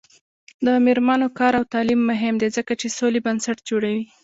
د میرمنو کار او تعلیم مهم دی ځکه چې سولې بنسټ جوړوي.